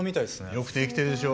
よくできてるでしょ。